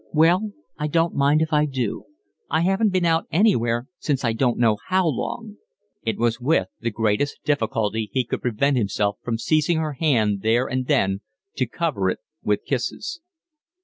"Well, I don't mind if I do. I haven't been out anywhere since I don't know how long." It was with the greatest difficulty he could prevent himself from seizing her hand there and then to cover it with kisses.